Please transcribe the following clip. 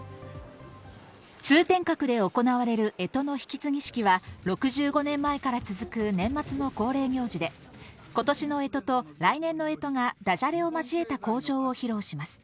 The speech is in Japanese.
通天閣で行われる干支の引き継ぎ式は６５年前から続く年末の恒例行事で今年の干支と来年の干支がダジャレを交えた口上を披露します。